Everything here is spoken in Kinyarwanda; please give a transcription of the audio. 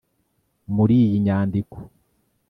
”Muri iyi nyandiko